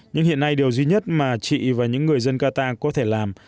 nhưng hiện nay điều duy nhất mà chị và những người dân qatar có thể làm